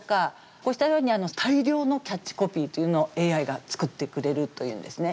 こうしたように大量のキャッチコピーっていうのをＡＩが作ってくれるというんですね。